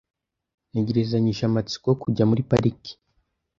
Ntegerezanyije amatsiko kujya muri pariki.